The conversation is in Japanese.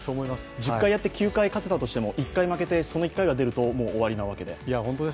１０回やって９回勝てたとしても１回負けて、その１回が出ると、もう終わりなわけで。